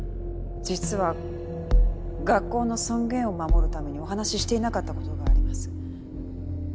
実は学校の尊厳を守るためにお話ししていなかったことがあります。